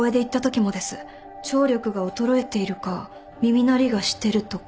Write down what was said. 聴力が衰えているか耳鳴りがしてるとか。